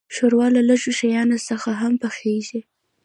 ښوروا له لږو شیانو سره هم پخیږي.